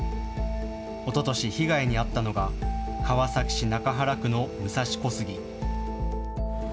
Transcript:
おととし被害に遭ったのが川崎市中原区の武蔵小杉。